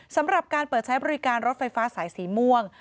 สำหรับการเปิดใช้บริการรถไฟฟ้าสายสีม่วง